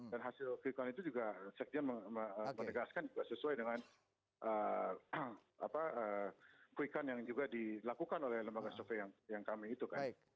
dan hasil quick count itu juga sekian menegaskan sesuai dengan quick count yang juga dilakukan oleh lembaga survei yang kami itu kan